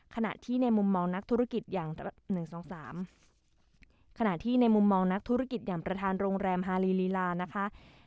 ขณะที่ในมุมมองนักธุรกิจอย่าง๑๒๓ขณะที่ในมุมมองนักธุรกิจอย่างประธานโรงแรมฮาลีลีลานะคะ